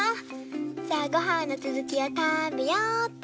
じゃあごはんのつづきをたべよっと。